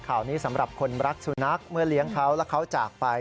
ข่าวนี้สำหรับคนรักสุนัขเมื่อเลี้ยงเขาแล้วเขาจากไป